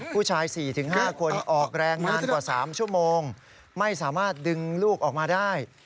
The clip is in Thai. ผู้ชาย๔๕คนออกแรงนานกว่า๓ชั่วโมงไม่สามารถดึงลูกออกมาได้